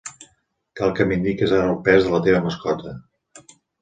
Cal que m'indiquis ara el pes de la teva mascota.